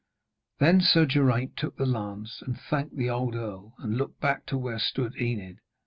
Then Sir Geraint took the lance and thanked the old earl, and looked back to where stood Enid.